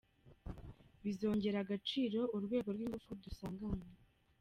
Bizongerera agaciro urwego rw’ ingufu dusanganywe.